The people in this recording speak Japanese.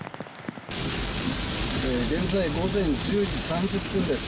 現在午前１０時３０分です。